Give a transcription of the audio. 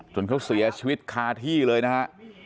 จนเขาเสียชีวิตคาที่เลยนะฮะ